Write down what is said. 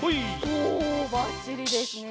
おおばっちりですね。